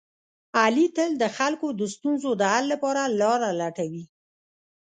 علي تل د خلکو د ستونزو د حل لپاره لاره لټوي.